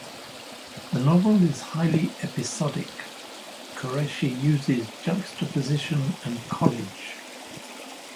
The novel is highly episodic; Kureishi uses juxtaposition and collage.